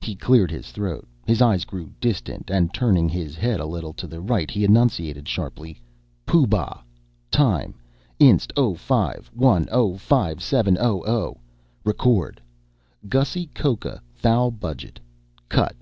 He cleared his throat, his eyes grew distant and, turning his head a little to the right, he enunciated sharply, "Pooh Bah. Time: Inst oh five. One oh five seven. Oh oh. Record: Gussy coca thou budget. Cut."